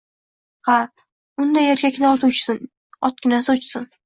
— Ha... Unday erkakni oti o‘chsin, otginasi o‘chsin!